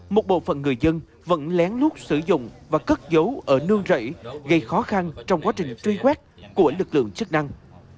một bộ phận người dân vẫn lén lút sử dụng và cất dấu ở nương rẫy gây khó khăn trong quá trình truy quét của lực lượng chức năng